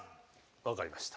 分かりました。